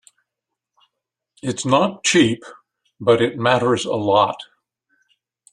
It's not cheap, but it matters a lot.